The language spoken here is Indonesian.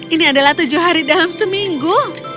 ini adalah tujuh hari dalam seminggu